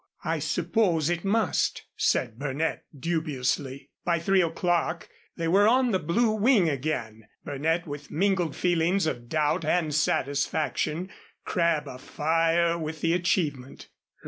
"I suppose it must," said Burnett, dubiously. By three o'clock they were on the Blue Wing again, Burnett with mingled feelings of doubt and satisfaction, Crabb afire with the achievement.